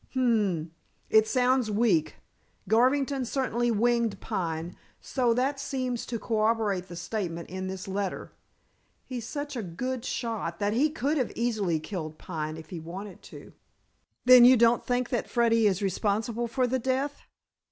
"Hum! It sounds weak. Garvington certainly winged Pine, so that seems to corroborate the statement in this letter. He's such a good shot that he could easily have killed Pine if he wanted to." "Then you don't think that Freddy is responsible for the death?"